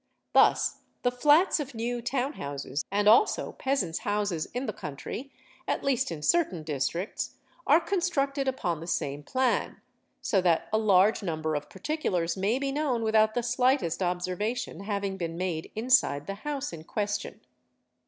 Thus the flats of new — town houses and also peasants' houses in the country, at least in certain — districts, are constructed upon the same plan, so that a large number of particulars may be known without the slightest observation having been made inside the house in question.